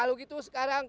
kalau gitu sekarang